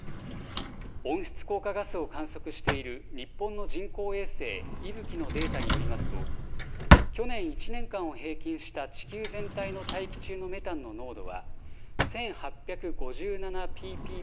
温室効果ガスを観測している日本の人工衛星、いぶきのデータによりますと去年１年間を平均した地球全体の大気中のメタンの濃度は１８５７ｐｐｂでした。